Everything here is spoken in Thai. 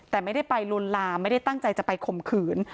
แต่ไม่ได้ไปลวนลามไม่ได้ตั้งใจจะไปข่มขืน